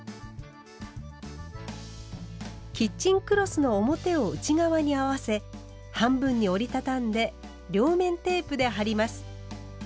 キッチンクロスの表を内側に合わせ半分に折り畳んで両面テープで貼ります。